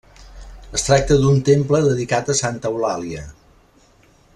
Es tracta d'un temple dedicat a Santa Eulàlia.